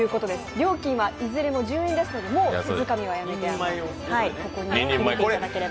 料金はいずれも１０円ですので、もう手づかみはやめてお買い求めいただければ。